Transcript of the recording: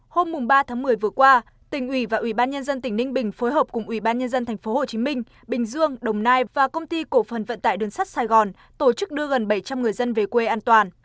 hôm ba tháng một mươi vừa qua tỉnh ubnd tỉnh ninh bình phối hợp cùng ubnd tp hcm bình dương đồng nai và công ty cổ phần vận tải đơn sát sài gòn tổ chức đưa gần bảy trăm linh người dân về quê an toàn